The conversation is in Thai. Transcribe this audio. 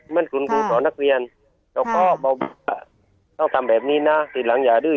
นั่นคุณครูสอนนักเรียนแล้วก็ต้องทำแบบนี้นะทีหลังอย่าดื้อ